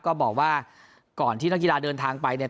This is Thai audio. ก็บอกว่าก่อนที่นักกีฬาเดินทางไปเนี่ย